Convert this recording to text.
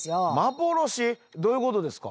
どういうことですか？